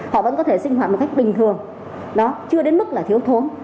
họ vẫn có thể sinh hoạt một cách bình thường nó chưa đến mức là thiếu thốn